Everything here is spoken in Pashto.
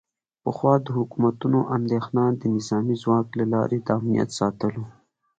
پخوا د حکومتونو اندیښنه د نظامي ځواک له لارې د امنیت ساتل و